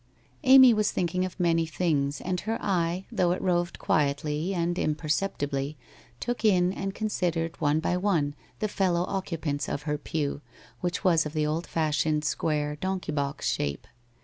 Amy was thinking of many things, and her eye, though it roved quietly, and imperceptibly, took in and consid ered one by one the fellow occupants of her pew, which was of the old fashioned square donkey box shape.